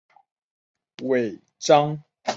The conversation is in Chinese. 尾张国井关城城主。